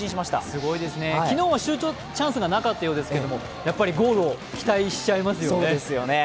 すごいですね、昨日はシュートチャンスがなかったようですけどやっぱりゴールを期待しちゃいますよね。